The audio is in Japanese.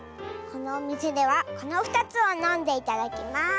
このおみせではこの２つをのんでいただきます。